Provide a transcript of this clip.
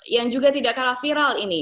yang juga tidak kalah viral ini